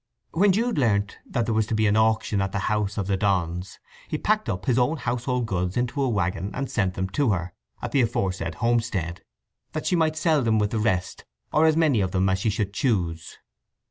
When Jude learnt that there was to be an auction at the house of the Donns he packed his own household goods into a waggon, and sent them to her at the aforesaid homestead, that she might sell them with the rest, or as many of them as she should choose.